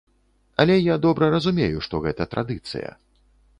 Але я добра разумею, што гэта традыцыя.